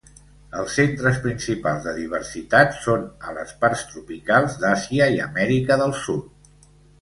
Els centres principals de diversitat són a les parts tropicals d'Àsia i Amèrica del Sud.